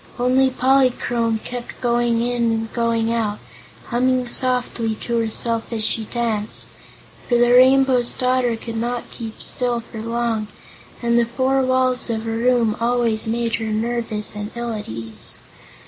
Only Polychrome kept going in and coming out, humming softly to herself as she danced, for the Rainbow's Daughter could not keep still for long, and the four walls of a room always made her nervous and ill at ease.